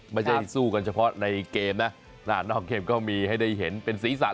ไม่ใช่สู้กันเฉพาะในเกมนะนอกเกมก็มีให้ได้เห็นเป็นศีรษะ